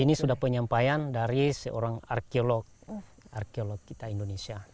ini sudah penyampaian dari seorang arkeolog arkeolog kita indonesia